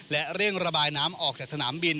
และเร่งระบายน้ำออกจากสนามบิน